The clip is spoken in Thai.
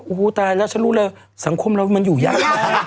โอ้โหตายแล้วฉันรู้เลยสังคมเรามันอยู่ยากมาก